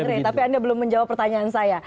oke pak dery tapi anda belum menjawab pertanyaan saya